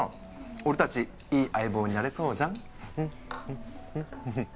俺達いい相棒になれそうじゃん